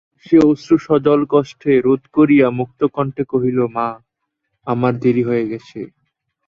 সে অশ্রুজল কষ্টে রোধ করিয়া মুক্তকণ্ঠে কহিল, মা, আমার দেরি হয়ে গেছে!